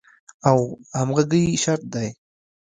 او همغږۍ شرط دی.